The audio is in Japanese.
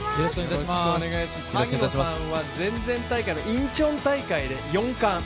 萩野さんは、前々大会のインチョン大会で４冠。